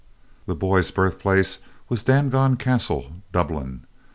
The boy's birthplace was Dangon Castle, Dublin.